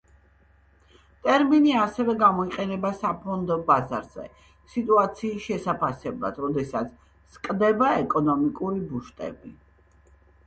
ტერმინი, ასევე, გამოიყენება საფონდო ბაზარზე სიტუაციის შესაფასებლად, როდესაც „სკდება“ „ეკონომიკური ბუშტები“.